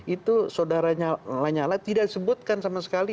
itu sodara nyala tidak disebutkan sama sekali